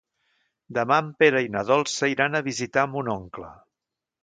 Demà en Pere i na Dolça iran a visitar mon oncle.